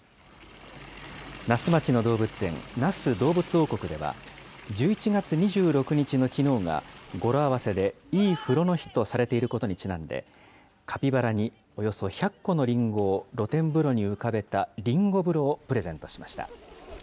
那須町の動物園、那須どうぶつ王国では、１１月２６日のきのうが、語呂合わせでいい風呂の日とされていることにちなんで、カピバラにおよそ１００個のりんごを露天風呂に浮かべたりんご風呂をプレゼントしました。